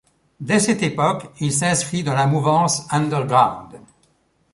Dès cette époque, il s'inscrit dans la mouvance underground.